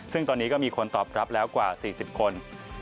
ซึ่งตอนนี้ก็มีคนตอบรับแล้วกว่า๔๐คน